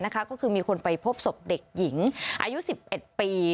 ก็คือมีคนไปพบศพเด็กหญิงอายุ๑๑ปี